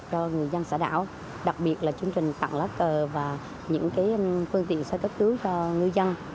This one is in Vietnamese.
cho người dân xã đảo đặc biệt là chương trình tặng lá cờ và những cái phương tiện xã cấp cứu cho người dân